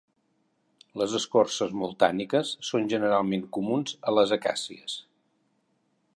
Les escorces molt tànniques són generalment comuns a les acàcies.